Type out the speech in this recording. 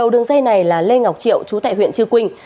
đường dây này là lê ngọc triệu trú tại huyện chư quynh